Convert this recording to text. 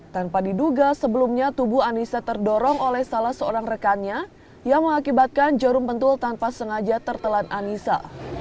tanpa diduga sebelumnya tubuh anissa terdorong oleh salah seorang rekannya yang mengakibatkan jarum pentul tanpa sengaja tertelan anissa